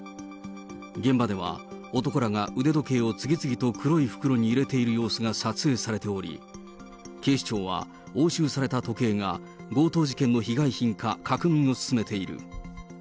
現場では男らが腕時計を次々と黒い袋に入れている様子が撮影されており、警視庁は押収された時計が強盗事件の被害品か確認を進めている。